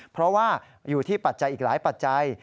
เพราะว่าอยู่ที่ปัจจัยอีกหลายปัจจัย